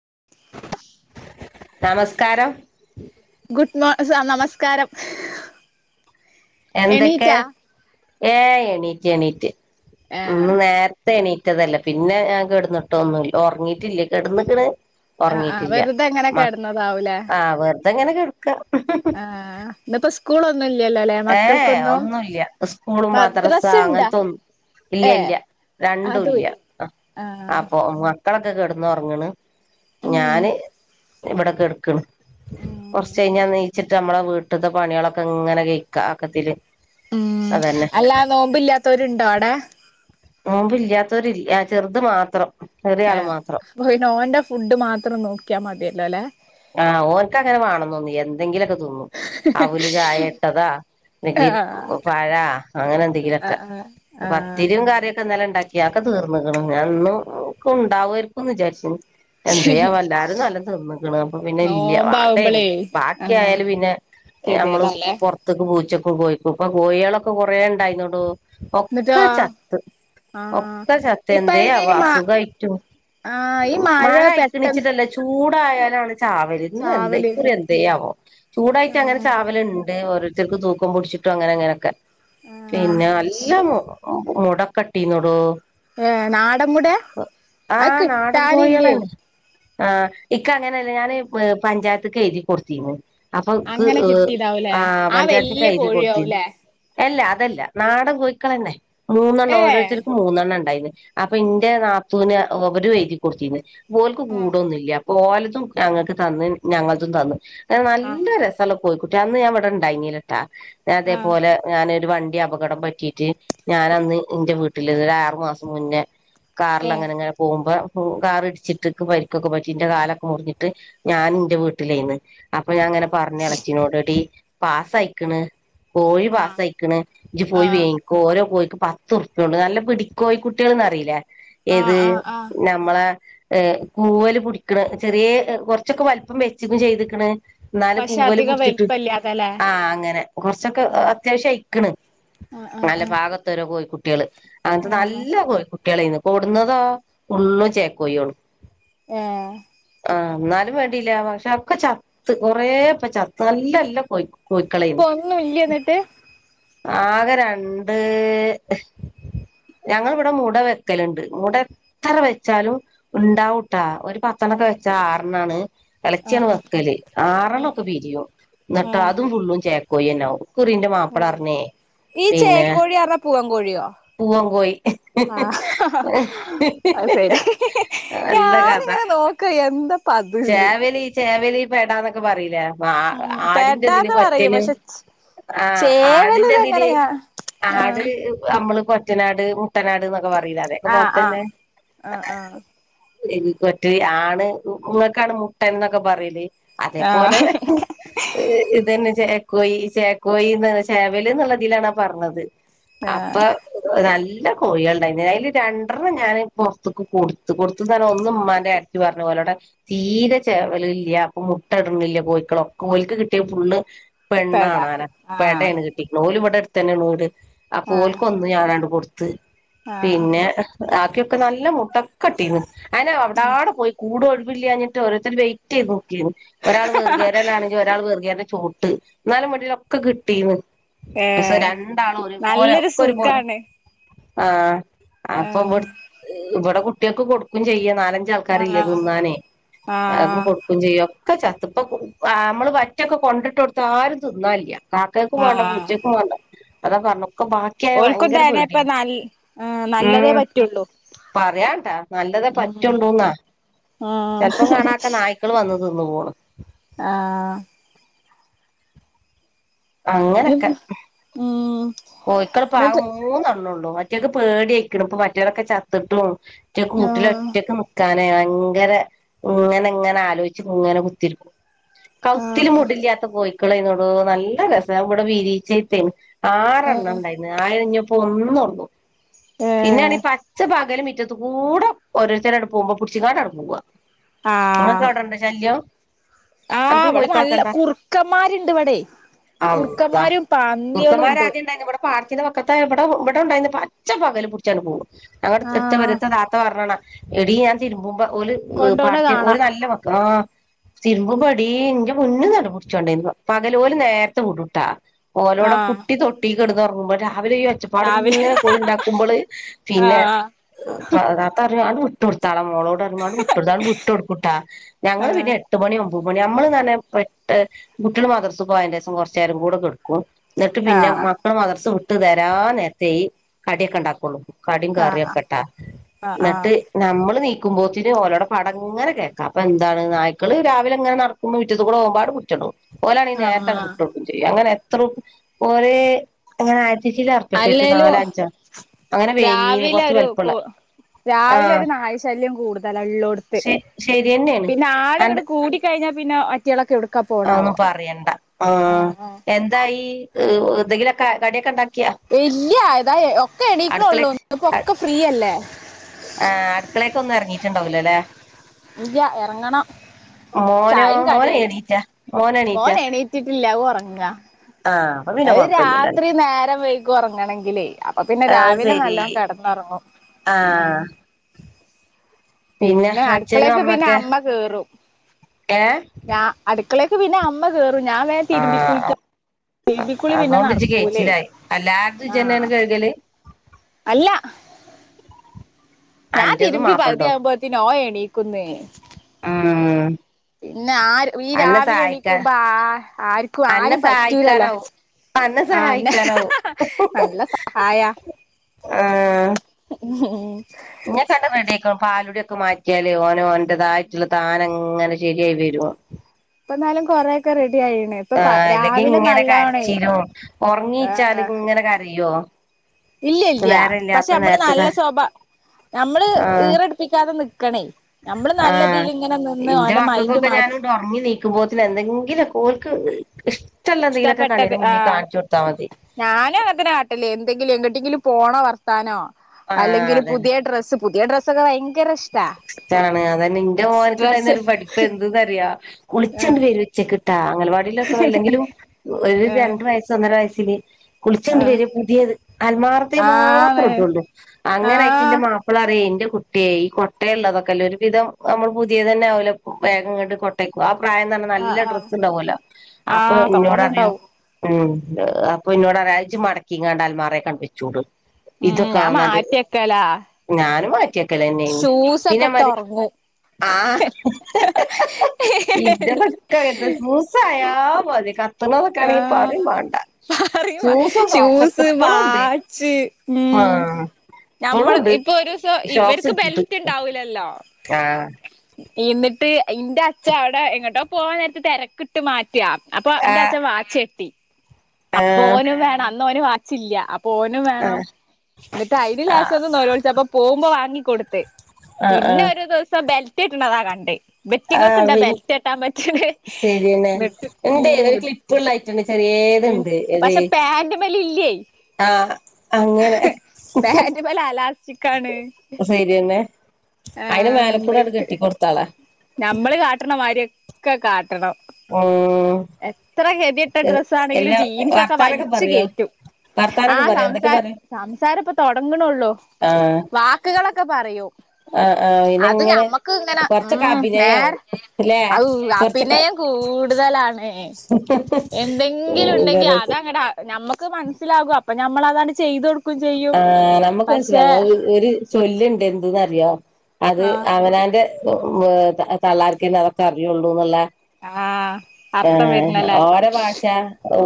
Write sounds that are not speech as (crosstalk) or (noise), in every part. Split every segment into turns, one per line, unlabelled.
(inaudible)
നമസ്കാരം
ഗുഡ്മോൺ ആ നമസ്കാരം
എന്തൊക്കെ
എണീറ്റാ
ഏ എണീറ്റ് എണീറ്റ് ഇന്ന്
ഏഹ്
നേരത്തെ എണീറ്റ് റ്റതല്ലെ പിന്നെ ഞാൻ കെട്ട്ന്ന്ട്ടൊന്നുല ഒറങ്ങീട്ടില്ല കെടന്ന്ക്ക്ണ്
ആഹ് ആഹ്
ഉറങ്ങിയിട്ടില്ല
വെറുതെ അങ്ങനെ
മക്
കെടന്നതാവൂലേ
ആഹ് വെറുതെ ഇങ്ങനെ കിട
ആഹ് ഇന്നിപ്പോ സ്കൂൾ ഒ
ഏഹ് അത് ഒന്നുല്ല സ്കൂള് മാദ്രസ
മദ്രസ ഇണ്ടാ
അങ്ങനത്തൊന്നും ഇല്ല
ഏഹ്
ഇല്ല രണ്ടും ഇല്ല
അതുല്ല
ആഹ്
ആഹ്
അപ്പൊ മക്കളൊക്കെ കെടന്ന് ഉറങ്ങണ്
ഉം
ഞാന് ഇവിടെ കെടക്കണ്
ഉം
കുറച്ച് കഴിഞ്ഞാൽ നീച്ചിട്ട് നമ്മളെ വീട്ടിത്തെ പണികളൊക്കെ ഇങ്ങനെ (unintelligible) ആക്കത്തില്
ഉം
അതന്നെ
അല്ലാ നോമ്പില്ലാത്തവരുണ്ടോ അവിടെ
നോമ്പ് ഇല്ലാത്തവരില്ല ചെറുത് മാത്രം ചെറിയ ആള്
ആഹ്
മാത്രം
അപ്പൊ പിന്നെ ഓന്റെ ഫുഡ് മാത്രം നോക്കിയാൽ മതിയല്ലോ അല്ലെ
ആഹ് ഓനക്ക് അങ്ങനെ വേണം ന്ന് ഒന്നുല്ല എന്തെങ്കിലും ഒക്കെ തിന്നും അവില് ചായ ഇട്ടതാ അല്ലെങ്കി
ആഹ്
പഴാ അങ്ങനെ എന്തെങ്കിലും ഒക്കെ
ആഹ് ആഹ്
പത്തിരിയും കറിയൊക്കെ ഇന്നലെ ഉണ്ടാക്കി അതൊക്കെ തീർന്ന് ഞാൻ ഇന്നും ഒക്കെ ഉണ്ടാവുമായിരിക്കും ന്ന് വിചാരിച്ച് എന്ത്‌ ചെയ്യാൻ എല്ലാരും നല്ല തിന്ന് അപ്പൊ പിന്നെ ഇല്ല വാണ്ടേനും
നോമ്പാവുമ്പളേ
ബാക്കി
ആഹ്
ആയാൽ പിന്നെ ഞമ്മള്
കെതിയേടാല്ലേ
പുറത്ത് പൂച്ചക്കും കോഴിക്കും ഇപ്പൊ കോഴികളൊക്കെ കൊറേ ഇണ്ടായിന്നടോ ഒക്കെ
എന്നിട്ടോ
ചത്ത്
ആഹ്
ഒക്കെ ചത്ത്
ഇപ്പ
എന്തേ
അയിന്
അവ
ഈ മാ
അസുഖായിട്ടും
ആഹ് ഈ
മഴ
പെട്ടെന്ന്
ആയിക്കണിച്ചിട്ടല്ലേ ചൂ ടായാലാണ് ചാവല് ഇന്ന്
ചാവല്
ഇക്കുറി എന്തേയാവോ ചൂടായിട്ട് അങ്ങനെ
ഏഹ്
ചാവല് ഇ ഓരോരുത്തർക്ക് തൂക്കം പുടിച്ചിട്ടും അങ്ങനെ ഇങ്ങനെയൊക്കെ
ആഹ്
പിന്നെ എല്ലാം മുട കട്ടീന്നോടൂ
ഏഹ് നാടൻമുടയാ അത്
ആഹ് നാടൻ കോഴിയാള്
കിട്ടാനില്ലേ
തന്നെ ആഹ് ഇക്ക അങ്ങനെയല്ല ഞാന് പഞ്ചായത്ത്ക്ക് എഴുതി കൊടുത്തീന്നു അപ്പൊ ക്ക്
അങ്ങനെ കിട്ടിയതാവൂലേ
ആഹ്
ആ
പഞ്ചായത്ത്ക്ക്
വല്യ
എഴുതി കൊടുത്തിരുന്ന്
കോഴിയാവൂലേ
അല്ല അതല്ല നാടൻ കോഴിക്കള് തന്നെ മൂന്നെണ്ണം
ഏഹ്
ഓരോരുത്തർക്കും മൂന്നെണ്ണം ഉണ്ടായിന്ന് അപ്പൊ ഇന്റെ നാത്തൂന് അവരും എഴുതി കൊടുത്തിന്ന് ഓൽക്ക്
ആഹ്
കൂടൊന്നും ഇല്ല അപ്പോ ഓൽ ഞങ്ങൾക്ക് തന്ന് ഞങ്ങൾക്കും തന്ന് അത് നല്ല
ആഹ്
രസള്ള കോഴി കുട്ടി അന്ന് ഞാൻ ഇവിടെ ഇണ്ടായിഞ്ഞീലട്ടാ
ആഹ്
അതേപോലെ ഞാന് ഒരു വണ്ടി അപകടം പറ്റിയിട്ട് ഞാൻ അന്ന് ന്റെ വീട്ടിൽ നിന്ന് ഒരു ആറുമാസം മുന്നേ കാറിൽ
ഏഹ്
അങ്ങനങ്ങനെ പോകുമ്പോ കാർ ഇടിച്ചിട്ട് ക്ക് പരിക്കൊക്കെ പറ്റി എന്റെ കാല മുറിഞ്ഞിട്ട് ഞാൻ എന്റെ വീട്ടിലേന്ന് അപ്പൊ ഞാൻ അങ്ങനെ പറഞ്ഞ് ഇളച്ചിനോട് എടി പാസായിക്കണ് കോഴി
ആഹ്
പാസായിക്കണ് ഇജ്ജ് പോയി
ആഹ്
വേങ്ങിക്കോ ഓരോ കോഴി പത്ത് ഉറുപ്യ ഉള്ളു നല്ല പിടിക്കോഴി കുട്ടികൾന്ന് അറിയില്ലേ
ആഹ്
ഏത്
ആഹ് ആഹ്
നമ്മളെ ഏഹ് കൂവല് പുടിക്കണ് ചെറിയേ കുറച്ചൊക്കെ വലുപ്പം വെച്ച്ക്കും ചെയ്തേക്കണ് എന്നാല്
പക്ഷെ
കൂവല്
അധികം
പുടിച്ചിട്ട്
വലിപ്പല്ലാതല്ലേ
ആഹ് അങ്ങനെ കൊറച്ചൊക്കെ
ആഹ്
അത്യാവശ്യം അയിക്കണ്
ആഹ് ആഹ്
നല്ല
ആഹ്
പാകം ഒത്ത ഒരു കോഴികു കുട്ടികള് അങ്ങനത്തെ
ആഹ്
നല്ല കോഴി കുട്ടികളാരുന്നു കൊടുന്നതോ ഫുള്ളും ചേക്കോയോളും
ആഹ്
ആഹ് എന്നാലും വേണ്ടീല്ല പക്ഷെ ഒക്കെ ചത്ത് കൊറേ ഇപ്പം ചത്ത് നല്ല നല്ല കോയികു
ഇപ്പോ ഒന്നും ഇല്ല്യ എന്നിട്ട്
ആകെ രണ്ട് ഞങ്ങൾ ഇവിടെ മൂട വെക്കലുണ്ട് മൂട എത്ര വെച്ചാലും ഉണ്ടാവും ട്ടാ ഒര് ത്തണൊക്കെ
ആഹ്
വെച്ചാ ആറെണ്ണാണ് ഇളച്ചിയാണ്
ആഹ്
വെക്കല്
ആഹ്
ആറെണ്ണം ഒക്കെ വിരിയും എന്നിട്ട്
ആഹ്
അതും ഫുള്ളും ചേക്കോയി തന്നാവും കുറീന്റെ
ആഹ്
മാപ്പിളറിഞ്ഞേ
ഈ ചേക്കോഴി പറഞ്ഞാ പൂവൻ കോഴിയോ
പൂവൻ കോയി
ആഹ് അത് ശരി
നല്ല കഥ
ഞാനിങ്ങനെ നോക്കാ എന്താ പ്പോ അത് ന്ന്
ചേവല് പെട ന്നൊക്കെ പറയില്ലേ
ഉം
ആടിന്റതില്
പെടാന്ന് പറയും
കൊറ്റല്
പക്ഷെ
ആഹ്
ചേവല്
ആടിന്റെതില്
ഇതെങ്ങനെയാ
ആട് നമ്മള് കൊറ്റനാട് മുട്ടനാട് എന്നൊക്കെ പറയില്ലേ അതേക്കെ പോലെ
ആഹ്
തന്നെ
ആഹ് ആഹ്
(inaudible) ആണ് നിങ്ങൾക്കാണ് മുട്ടൻ എന്നൊക്കെ പറയൽ
ആഹ് ആഹ്
അതേപോലെ
ആഹ്
ഇതന്നെ കോയി ചേക്കോയിന്ന് ചേവൽ എന്നുള്ളതിലാാണ് പറഞ്ഞത് അപ്പൊ
ആഹ്
നല്ല ഇല്ല കോഴികളുണ്ടായി അതിൽ രണ്ടെണ്ണം ഞാൻ പുറത്തക്ക് കൊടുത്ത് കൊടുത്ത തന്നെ ഒന്ന ഉമ്മാൻന്റെ പറഞ്ഞ പോലെ അവിടെ തീരെ ചേവല ഇല്ല അപ്പൊ മുട്ട ഇടനില്ല കോഴികൾ ഒക്കെ കോഴിക്ക് കിട്ടിയ ഫുള്
പെട
പെണ്ണാണൊനാ
ആഹ്
പെടയണ് കിട്ടി ഓൾ ഇവിടെ അടുത്ത തന്നെ ഊര് ആ
ആഹ്
ഓൾക്ക് ഒന്ന് ഞാനണ്ട് കൊടു
ആഹ്
പിന്നെ ആക്കിയൊക്കെ നല്ല മുട്ട കിട്ടെന്ന് അന അവിടെ കൂട് ഒഴിവില്ലാഞ്ഞിട്ട് ഓരോരു വെയിറ്റ് ചെയ്ത് നോക്കി ഒരാൾ വെർകെരൽ ആണെങ്കിൽ ഒരാൾ വെർകരേൻ്റെ നോട്ട് എന്നാലും മേടീല്ല ഒക്കെ കിട്ടീന്ന്
ഏഹ്
രണ്ടാളോ ഒരുപോലെ
നല്ലൊരു
ഒക്കെ ഒരു പോലെ
സുഖാണ്
ആ അപ്പൊ
ആഹ്
ഇവിടെ കുട്ടികൾക്ക് കൊടുക്കും ചെയ്യ (inaudible) (inaudible)
ആഹ്
ആൾക്ക്
ആഹ്
കൊടുക്കും ചെയ്യോ ഒക്കെ ചത്തപ്പ നമ്മൾ വറ്റൊക്കെ കൊണ്ടിട്ട് കൊടുത്ത് ആരും തിന്നാനില്ല കാക്കക്കും വേണ്ട
ആഹ്
പൂച്ചക്കും വേണ്ട അതാ പറ അപ്പൊ ബാക്കിയായ
ഓൽക്കും
ഭയങ്കര
തന്നെ ഇപ്പ
പേടിയുണ്ട്
നൽ ആഹ് നല്ലതേ
ഉം
പറ്റുള്ളൂ
പറയാട്ടാ നല്ലതെ
ഉം
പറ്റണ്ടൂന്നാ ചെലപ്പം
ആഹ്
കാണാക്കെ നായ്ക്കൾ വന്നു തിന്നു പോണ്
ആ (inaudible)
ഓൾക്കക പാക
എന്നിട്ട്
മൂന്നെണ്ണള്ളൂ മറ്റേൊക്കെ പേടിയക്കണം ഇപ്പൊ മറ്റേരൊക്കെ ചത്തിട്ടും ഒറ്റ കൂട്ടിൽ
ആഹ്
ഒറ്റക്ക് നിൽക്കാനേ ഭയങ്കര ഇങ്ങനെ ഇങ്ങനെ ആലോചിച്ച് ഇങ്ങനെ കുത്തി ഇരിക്കും (inaudible)
ആഹ്
മുടില്ലാത്ത കോഴക്കളോട് നല്ല രസ ഇവിടെ വിരിച്ചിട്ടേ
ഏഹ്
ആഴിഞ്ഞപ്പോ ഒന്നു പിന്നെണ
ഏഹ്
പച്ച പക കുറ്റത്ത് കൂടെ ഓരോരുത്തരടെ അടുപ്പ പോകുമ്പോ പിടിച്ചിക്കാട അടുപ്പ പോവാ നിങ്ങൾക്ക് അവിടെണ്ട ശല്യം
ആ
അനക്ക്
അവിടെ നല്ല
കോഴിക്കളൊക്കെണ്ടാ
കുറുക്കന്മാരുണ്ട് ഇവിടെ
അള്ളാ
കുറക്കന്മാരും പന്നികളും ഉണ്ട്
കുറുക്കന്മാരാദ്യം ഉണ്ടായിരുന്നു ഇവിടെ പാടത്തിൻ്റെ വക്കത്ത് ഇവിടെ ഇവിടെ ഉണ്ടായിരുന്നു പച്ച പകൽ പിടിച്ചാണ് പോകുന്നത് ഞങ്ങുടെ തൃത്ത
ആഹ്
വരുത്ത താത്ത പറഞ്ഞണ എടി ഞാൻ തിരുമ്പുമ്പോ ഒരു
കൊണ്ടോണ
പാർഥ ഒരു
കാണാം
നല്ല ആ തിരുമ്പു പടിന്റെ മുന്നും നട പിടിച്ചോണ്ടരുന്നു പകല പോലും നേരത്തെ വിടുട്ടാ ഓലോടടെ
ആഹ്
കുട്ടി തൊട്ടിലിൽ കിടന്ന് ഉറങ്ങുമ്പോ അവർ ഈ ഒച്ചപ്പാട്
രാവിലെ
ഇങ്ങനെ പോയിണ്ടാക്കുമ്പോൾ പിന്നൊ
ആഹ്
താത്ത പറഞ്ഞ് (inaudible) മോളോട് ഇറങ്ങാണ്ട് (inaudible) വിട്ട എടുക്കട്ട ഞങ്ങൾ
ആഹ്
പിന്നെ എട്ടുമണി നമ്മൾ തന്നെ പെട്ട് കുട്ടികൾ (inaudible) അതിന്റെ കുറച്ചു നേരം കൂടെ കിടക്കോ എന്നിട്ട് പിന്നെ
ആഹ്
(inaudible) തരാൻ നേരത്ത കടിയൊക്കെ ഉണ്ടാക്കുള്ളൂ കടും
ആഹ്
കറിയപ്പെട്ടാ
ആഹ്
എന്നിട്ട് നമ്മൾ നീ പോത്തിന് ഓലോടെ പടങ്ങനെ കേൾക്കാം അപ്പ എന്താണ് നായക്കൾ രാവിലെങ്ങനെ നടക്കുമ്പോ മുറ്റത്ത് കൂടെ പോകുമ്പോ അങ്ങട്ട് പിടിച്ചോണ്ട് പോകും ഓൾ
ആഹ്
നേരത്തൊണ്
ആഹ്
വിട്ട് കൊടുക്കയും ചെയ്യും അങ്ങനെ എത്ര (inaudible) (inaudible)
അല്ലേലും
നാലാഴ്ച അങ്ങനെ വേങ്ങീന്ന്
രാവിലെ
കുറച്ച്
ഒരു
വലുപ്പമുള്ള
കു രാവിലെ ഒരു നായ ശല്യം കൂടുതൽ ഉള്ളോടുത്ത്
ശ
പിന്നെ ആളുകൾ കൂടിക്കഴിഞ്ഞ
ഓ ഒന്നും പറയണ്ട ആ
ആഹ് ആഹ്
എന്തായി എന്തെങ്കിലൊക്ക കടിയൊക്കെ ഉണ്ടാക്ക
വല്യയായിതാ ഒക്കെ എണീക്കൊള്ളൂ
അടുക്കളേക്ക്
ഒന്ന് ഇപ്പ ഒക്കെ ഫ്രീയല്ലേ
ആ അടുക്കളേ ക്ക് ഒന്നും ഇറങ്ങിട്ടുണ്ടാവലോ അല്ലേ
ഇല്ല ഇറങ്ങണം
മോനോ
ചായയും
മോന
കാടിയല്ലേ
എണീറ്റാ മോന
മോൻ
എണീറ്റാ
എണീറ്റിട്ടില്ല ഉറങ്ങാ
ആഹ് അപ്പൊ പിന്നെ
അത്
കൊഴപ്പില്ലല്ലോ
രാത്രി നേരം വൈകി ഉറങ്ങ അങ്ങണെങ്കിലേ അപ്പൊ പിന്നെ രാവിലെ നല്ലോണം കിടന്നിറങ്ങും
ആഹ
പിന്നെ
അച്ഛനും
അടുക്കളേക്ക് പിന്നെ
അമ്മക്കെ
അമ്മ കേറും
ഏഹ്
ഞാ അടു മക്കളേക്ക് പിന്നെ അമ്മ കേറും ഞാൻ വേ തിരുമ്പിക്ക
ആഹ്
കുളിക്കാം എബിക്കുളി പിന്നെ
അതുകൊണ്ട് ഇജ്ജ്
നടക്കൂല്ലേ
കെയ്ച്ചിലായി എല്ലാര്തും ഇജ്ജ്
ആഹ
തന്നെയാണ് കഴുകല്
അല്ല ഞാൻ
അന്റതും
തിരുമ്പി
മാപ്പൾന്റതും
പകുതിയാവുമ്പോത്ത നോയ എണീക്കുന്ന
ആ
പിന്നെ ആര് ഈ രാവിലെ എണിക്കുമ്പോ ആ ആർക്കും
അന്നെ
ആരും പറ്റൂലല്ലോ
സഹായിക്കാനാവും അന്നെ
ആന്നെ
സഹായിക്കാനാവും
നല്ല സഹായ (unintelligible)
ഇഞെ കട റെഡിയ ആക്ക പാലുടിയ ഒക്കെ മാറ്റിയാല് ഓനോഓ്റതായിട്ടുള്ള താന അങ്ങനെ (inaudible) (unintelligible)
ഇപ്പ എന്നാലും കുറെ ഒക്കെ റെഡി ണ് ഇപ്പൊ
ആഹ് അല്ലെങ്കി
രാവിലെ
ഇങ്ങനെ
നല്ലോണേ
കരച്ചിലും ഒറങ്ങീച്ചാല്
ആ
ഇങ്ങനെ കരയോ
ഇല്ല ഇല്ലയ പക്ഷെ
നേരല്ലാത്ത
നമ്മള്
നേരത്ത്ക്ക്
നല്ല ശോഭ നമ്മള്
ആഹ്
ഈറെടുപ്പിക്കാതെ ന നമ്മള് നല്ലതിൽ ഇങ്ങനെ നിന്ന്
എന്റെ
ഓന്റെ മൈൻഡ്
മക്കൾക്കൊക്കെ
മാറ്റി
ഞാന ഉറങ്ങി നീക്കുമ്പോത്തിന എന്തെങ്കില കോക്ക്
ഇഷ്ടപ്പെട്ടത് ആഹ ഞാനും അതിന കാട്ടില്ലേ എ ന്ത എങ്ങോട്ടെങ്കിലും പോണോ വർത്താനോ
ആഹ്
അല്ലെങ്കിൽ
അതന്നെ
പുതിയ ഡ്രസ്സ് പുതിയ ഡ്രസ്സൊക്കെ ഭയങ്കര ഇഷ്ട
ഇഷ്ടണ് അത നിന്റെ മോവൻക്ക്ണ്ടുന്ന
ഡ്രസ്സ്
ഒരു പഠിപ്പ് എന്തറിയ
ആഹ്
വിളിച്ചണ്ട് പെരുവെച്ചക്കിട്ട അങ്ങൽവാടിൽൊക്കെ അല്ലെങ്കിലും ഒരു
ആഹ്
രണ്ടു വയസ്സ് ഒന്നര വയസ്സില് കുളിച്ചണ്ട്
ആഹ്
വരര് പുതിയത് അൽമാർത്തിൽ മാത്രം
ആണ്
ഇട്ടള്ളൂ അങ്ങനെ ആയിട്ട
ആഹ്
മാപ്പിള അറിയ എന്റെ കുട്ടിയെ ഈ കൊ കൊട്ടയ ഉള്ളതൊക്കെല്ല ഒരു വിവിധം നമ്മൾ പുതിയത് തന്നെ ആകല്ലോ വേഗംണ്ട് കൊട്ടയ്ക്കും പ്രായം തഞ്ഞ
ആഹ്
നല്ല
ആഹ്
ഡ്രസ്സ് ഉണ്ടാവുമലോ അപ്പൊ
ആഹ്
ഇന്നോട് അറിയോ
തോനെണ്ടാവും
ഉം അപ്പൊ ഇന്നോടെ ഒരാഴ്ച മടക്കിങ്ങാണ്ടാൽമാറേെ കണ്ട വച്ചൂട്
ഉം
ഇതൊക്കെ
ഞാൻ മാറ്റിയെക്കലാ
ഞാനും മാറ്റിയക്കലതന്നെയാണ്
പുസ കട്ട് ഉറങ്ങും
ആഹ ഇത പക്കഴത്തെ സൂസായോ തി കത്തണതൊക്കാണെങ്കി പറ
ആഹ്
വേണ്ട
പറയും
സൂസും സോക്സൊക്കെ
ഷൂസ്
എപ്പഴും ഉണ്ട്
വാച്ച്
ആ
ഉം ഞമ്മള്
ഇപ്പോഴുമുണ്ട്
ഇപ്പൊ ഒരൂസം
ഷോക്സ്
ഇവർക്ക്
എടുത്തിട്ട്
ബെൽറ്റ് ഇണ്ടാവൂലല്ലോ
ആഹ
എന്നിട്ട് എന്റെ അച്ഛ അവിടെ എങ്ങോട്ടോ പോവാൻ നേരത്തെ തിരക്കിട്ട് മാറ്റാ അപ്പൊ എന്റെ അച്ഛൻ
ആഹ്
അച്ഛൻ അപ്പ
ആഹ്
ഓൻ വേണം അന്ന ഒരു വാച്ചില്ല പോനും വേണം
ആഹ്
എന്നിട്ട് ഐഡ
ആഹ്
ലാസം ഒന്ന രോഴിച്ച അപ്പൊ പോകുമ്പോ വാങ്ങിക്കൊടുത്ത്
ആഹ്
പിന്നെ
ആഹ്
ഒരു ദിവസം ബെൽറ്റ് ഇട്ടണതാ കണ്ട് ബെറ്റിങ്ങ ഒക്കെ
ആഹ്
ഇണ്ട
പിൻ
ബെൽറ്റ് ഇട്ടാൻ പറ്റ നട്ട് ഉ
ഇപ്പള്ളായിട്ടുണ്ട് ചെറിയ ഏത്ണ്ട് ഏത്
ഇല്ല ഇല്ലേ
ആഹ് അങ്ങനെ
പാന്റ് പോലെ അല്ലാത്ത ചിക്കാണ്
ശരിയന്നെ
ആഹ
അയിന്റെ മേലക്കൂടെ അങ്ങട്
എന്നട്ട്
കെട്ടി കൊടുത്താളാ
നമ്മള് കാട്ടണ മാരിയൊക്കെ കാട്ടണം
ഉം
എത്ര ഹെവി ഇട്ട ഡ്രസ്സ ആണെങ്കിലും
എല്ലാ
ജീൻസ്ക്കെ
വർത്താനൊക്കെ
വലിച്ചു
പറയോ
കയറ്റും ആ
വർത്താനൊക്കെ പറയോ
സംസ
എന്തൊക്കെ പറയും
സംസാരം ഇപ്പൊ തുടങ്ങണള്ളൂ
ആഹ്
വാക്കുകളൊക്കെ പറയോ
ആഹ് ആഹ്
അത്
പിന്നെങ്ങനെ
ഞമ്മക്ക് ഇങ്ങനെ
കൊറച്ചൊക്കെ
ഉം നേർ
അഭിനയാവും ല്ലേ
ഔ
കൊറച്ചൊക്കെ
അഭിനയം കൂടുതലാണ് എന്തെങ്കിലും ഉണ്ടെങ്കിൽ
ഇവരത്
അതങ്ങ നഞമ്മക്ക് മനസ്സിലാകും അപ്പൊ നമ്മൾ അതാണ് ചെയ്ത കൊടുക്ക
ആ നമുക്ക് മനസ്സിലാവും ഒരു ചൊല്ണ്ട് എന്ത്ന്ന്റിയോ അത്
ആഹ്
അവനാന്റെ തള്ളാർക്കന്നെ അതൊക്ക അറിയുള്ളൂ എന്നുള്ള
ആഹ് അർത്ഥം വരുന്നല്ലേ
ആ ഓര ഭാഷ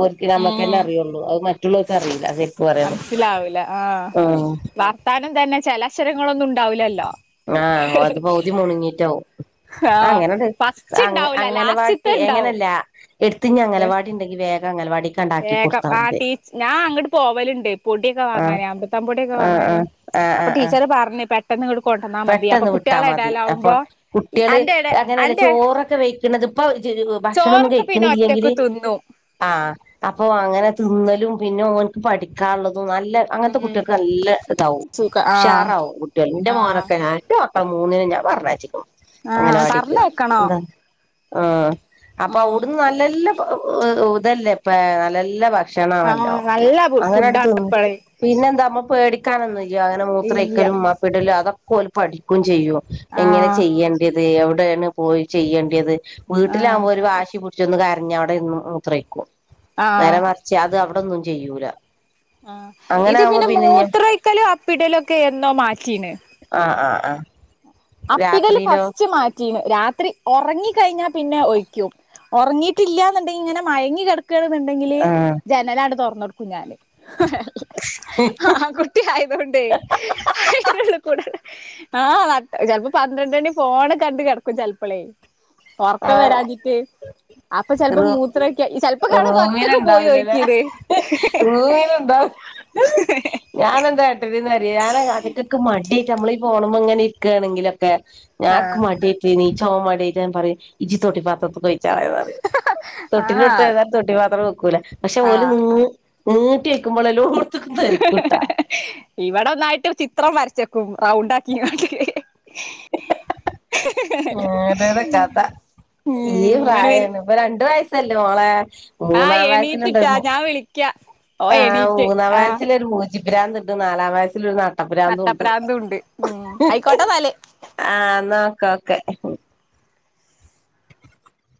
ഒരിക്ക നമ്മുക്കന്നെ
ഉം
അറിയുള്ളൂ അത് മറ്റ നമ്മുക്ക് അറിയില്ല പറയാണെ
മനസ്സിലാവൂല ആഹ്
ഉം
വർത്താനം തന്നെ ചലക്ഷവരങ്ങളൊന്നും ഉണ്ടാവില്ലല്ലോ
ആഹ അത് പൗതി മുണങ്ങിട്ടാവവും
ആഹ്
അങ്ങനെണ്ട്
ഫസ്റ്റ്
അ
ഇണ്ടാവൂല ലാസ്റ്റ്ത്തെ
അങ്ങലവാടി
ഇണ്ടാവും
എങ്ങനല്ല എടുത്തി അങ്ങലവാടി ഉണ്ടെങ്കി ല്
ഏക്കം ആ ടീ ഞാൻ അങ്ങോട്ട് പോവലുണ്ട് പൊടിയൊക്കെ
ആ
വാങ്ങാനേ അമ്പൃത്താം പൊടിയൊക്കെ
ആഹ്
വാങ്ങാന്
ആഹ് ആഹ്
അപ്പൊ
ആഹ് ആഹ്
ടീച്ചറ് പറഞ്ഞ പ
പെട്ടെന്ന് വിട്ടാ മതി അപ്പൊ കുട്ടികള്
അന്റെ എടെ
അങ്ങനെയല്ല
അന്റെ
ചോറൊക്കെ വെക്കണത് ഇപ്പൊ ഭക്ഷണൊന്നും
ചോറൊക്കെ പിന്നെ ഒറ്റക്ക്
കഴിക്കണില്ലെങ്കില്
തിന്നും
ആ അപ്പൊ അങ്ങനെ തിന്നലും പിന്നെ ങ്ങനക്ക് പഠിക്കാനുള്ളത് നല്ല അങ്ങനത്തെ കുട്ടികൾക്ക് നല്ല ഇതാവും
സുഖ ആഹ്
ഉഷാറാവും കുട്ടികൾ എന്റെ
ആഹ്
മോനൊക്കെ ഞാറ്റോ അപ്പ മൂന്നിന് ഞാൻ പറഞ്ഞയിച്ചക്കും
ആഹ്
അംഗലവാടിക്ക്
പറഞ്ഞേക്കണോ
എന്താ ആ അപ്പൊ അവിടുന്ന് നല്ലല്ല ഇതല്ലേപ്പ നല്ല ഭക്ഷണം
ആഹ്
ഭക്ഷണമാണല്ലോ
നല്ല
അങ്ങനെ അടുത്ത്
ഫുഡാണ്
തന്നന്ന്
ഇപ്പളേ
പിന്നെന്താ നമ്മ പേടിക്കാനൊന്നും ഇല്ല്യ അങ്ങനെ
ഇല്ല
മൂത്രയ്ക്കലും അപ്പിടലും അതൊക്കെ പോലെ പഠിക്കയും ചെയ്യും എങ്ങനെ
ആഹ്
ചെയ്യേണ്ടത് എവിടെയാണ് പോയി ചെയ്യേണ്ടത്
ആഹ്
വീട്ടിലാകുമ്പോ ഒരു വാശി പിൊടിച്ചൊന്ന് കരഞ്ഞ് അവിടെ ഇര്ന്ന് മൂത്ര യിക്കും
ആഹ്
നേരെമറച്ച് അത് അവിടെ അട്ടൊന്നും ചെയ്യൂല
ആ
അങ്ങനെ
ഇത്
ആകുമ്പോ
പിന്നെ മൂത്രയ്ക്കലും അപ്പിടലും ഒക്കെ എന്നോ മാറ്റീന്
ആഹ് ആഹ് ആഹ്
അപ്പിടല് ഫസ്റ്റ് മാറ്റിന്ന് രാത്രി ഒറങ്ങി കഴിഞ്ഞാ പിന്നെ ഒഴിക്കും ഒറങ്ങിട്ടില്ല എന്നുണ്ടെങ്കിൽ ഇങ്ങനെ മയങ്ങി കിട പക്ക എന്നുണ്ടെങ്കില് ജനലട് തുറന്ന കൊടുക്കും ഞാാന് ആ കുട്ടി ആയതൊണ്ടേ അയൻ്റെള്ള് കൂടെ ആഹ് ചെലപ്പോ പന്ത്രണ്ട് മണി പോണ് കണ്ട് കിടക്കും ചെലപ്പോളേ ഒറക്കം വരാഞ്ഞിട്ട് അപ്പൊ ചെിലപ്പോ
ആ
മൂത്ര ഒക്ക ചിലപ്പോ കാണ
റൂമിന്
ഒറ്റക്കെ പോയി
ഉണ്ടാവില്ലല്ലേ
ഒഴിക്ക്ണ്
റൂമിന് ഉണ്ടാവും ഞാന് എന്താ കാട്ടല് ന്ന പരിഹാന കഥയ്ക്കൊക്ക മടിയായിട്ട് നമ്മളീ പോകുമ്പോള്ങ്ങെരിക്കുകയാണെങ്കിലോ ഞാക്ക്
ആഹ്
മടിയായട്ട് നീ ച്ചോവാൻ മടിയായിട്ടാ പറയും ഇജി തൊട്ടി പാത്രക്കയി തൊട്ടിന്റെ അടുത്ത്
ആഹ്
ഏതാലും തൊട്ടി പാത്രം വെക്കൂല പക്ഷെ ഓല് നി
ആഹ്
മൂട്ടി വക്കുമ്പോളല്ലോ ട്ത്ത്കും തറിക്കുട്ട
നായിട്ട്രു ചിത്രം വരച്ചെക്കും റൗണ്ട് ആക്കിക്കാണ്ട്
ഓരോരൊ കഥ ഈ
ഉം ഇവന് പിന്നെ
പ്രായമാണ് ഇപ്പൊ രണ്ടു വയസല്ലേ മോളെ
ആഹ്
മൂന്നാം
എണീറ്റിട്ടാ
വയസിലുണ്ടരുന്നു
ഞാൻ വിളിക്കാ ഓൻ
ആ
എണീറ്റ്
മൂന്നാം
ആഹ്
വയസ്സിലരു മൂ ച്ചി ഭ്രാന്ത്ണ്ട് നാലാം വയസ്സൽ ഒരു പട്ടപ്പുരാന്തുണ്ട്
നട്ടപ്രാന്തുണ്ട് ഉം ആയിക്കോട്ടെന്നാല്
ആ എന്നാ ക്കെ